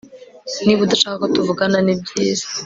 Niba udashaka ko tuvugana nibyiza